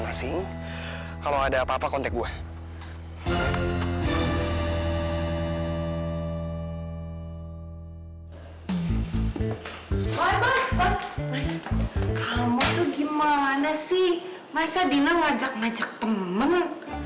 masa dina ngajak najak temen